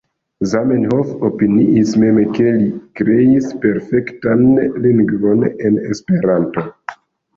Zamenhof opiniis mem ke li kreis perfektan lingvon en Esperanto.